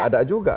tidak ada juga